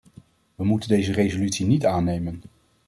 We moeten deze resolutie niet aannemen.